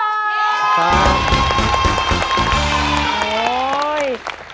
โอ้ย